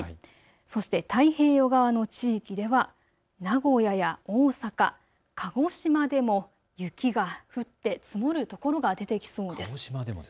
そして太平洋側の地域では名古屋や大阪、鹿児島でも雪が降って積もるところが出てきそうです。